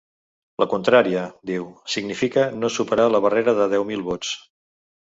La contrària, diu, significa no superar la barrera de deu mil vots.